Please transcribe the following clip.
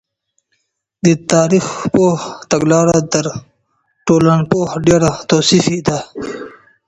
د تاریخ پوه تګلاره تر ټولنپوه ډېره توصیفي ده.